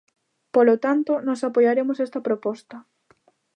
Polo tanto, nós apoiaremos esta proposta.